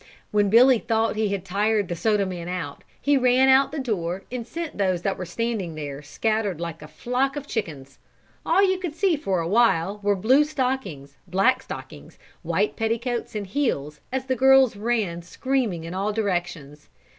When Billy thought he had tired the soda man out he ran out the door and sent those that were standing there scattering like a flock of chickens. All you could see for a while were blue stockings, black stockings, white petticoats and heels as the girls ran screaming in all directions.